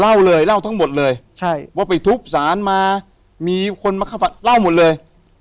เล่าเลยเล่าทั้งหมดเลยใช่ว่าไปทุบสารมามีคนมาเข้าฝันเล่าหมดเลย